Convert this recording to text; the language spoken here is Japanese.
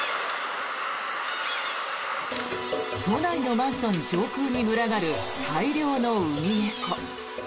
都内のマンション上空に群がる大量のウミネコ。